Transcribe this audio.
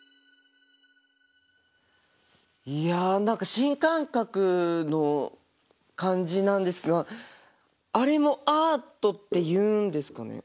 いや何か新感覚の感じなんですがあれもアートっていうんですかね？